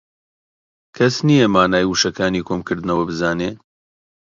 کەس نییە مانای وشەکانی کۆم کردوونەوە بزانێ